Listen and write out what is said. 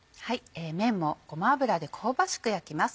めんもごま油で香ばしく焼きます。